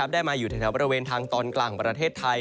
ได้มาอยู่แถวบริเวณทางตอนกลางของประเทศไทย